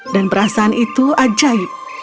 dan perasaan itu ajaib